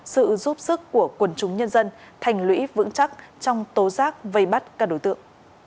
sự giúp sức của quần chúng nhân dân thành lũy vững chắc trong tố giác vây bắt các đối tượng